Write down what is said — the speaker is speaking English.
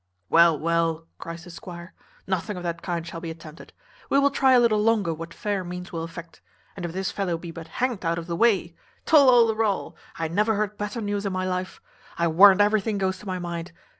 "Well, well," cries the squire, "nothing of that kind shall be attempted; we will try a little longer what fair means will effect; and if this fellow be but hanged out of the way Tol lol de rol! I never heard better news in my life I warrant everything goes to my mind.